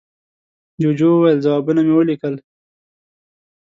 جوجو وویل، ځوابونه مې وليکل.